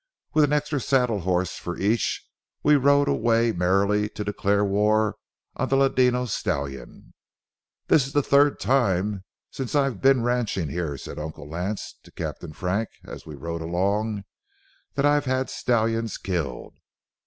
With an extra saddle horse for each, we rode away merrily to declare war on the ladino stallion. "This is the third time since I've teen ranching here," said Uncle Lance to Captain Frank, as we rode along, "that I've had stallions killed.